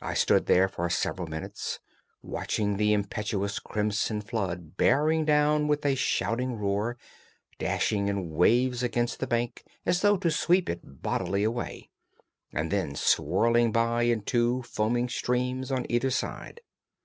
I stood there for several minutes, watching the impetuous crimson flood bearing down with a shouting roar, dashing in waves against the bank as though to sweep it bodily away, and then swirling by in two foaming streams on either side.